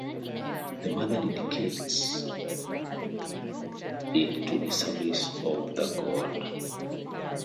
The mother dedicates it to the service of the god.